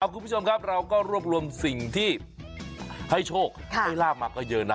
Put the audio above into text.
คุณผู้ชมครับเราก็รวบรวมสิ่งที่ให้โชคให้ลาบมาก็เยอะนะ